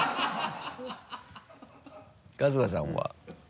春日さんは？